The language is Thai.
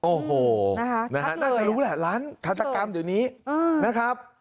โอ้โหนะฮะนั่งใจรู้แหละร้านทัศนกรรมอยู่นี้เออนะครับ